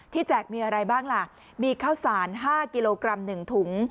แจกมีอะไรบ้างล่ะมีข้าวสาร๕กิโลกรัม๑ถุง